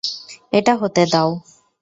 এটা হতে দাও।